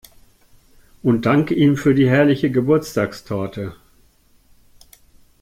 Und dank ihm für die herrliche Geburtstagstorte.